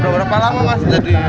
berapa lama mas